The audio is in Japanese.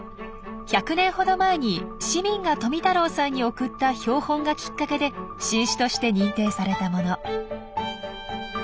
１００年ほど前に市民が富太郎さんに送った標本がきっかけで新種として認定されたもの。